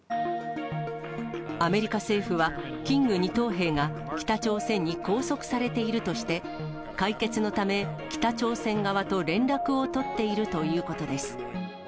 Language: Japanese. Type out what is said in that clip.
アメリカ政府はキング２等兵が、北朝鮮に拘束されているとして、解決のため、北朝鮮側と連絡を取っているということです。